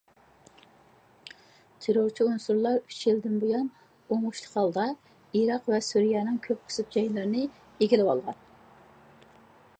تېررورچى ئۇنسۇرلار ئۈچ يىلدىن بۇيان ئوڭۇشلۇق ھالدا ئىراق ۋە سۈرىيەنىڭ كۆپ قىسىم جايلىرىنى ئىگىلىۋالغان.